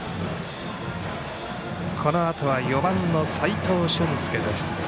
このあとは４番の齋藤舜介です。